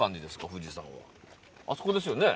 富士山はあそこですよね？